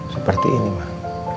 seperti ini mah